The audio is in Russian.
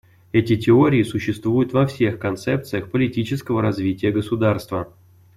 Эти теории существуют во всех концепциях политического развития государства.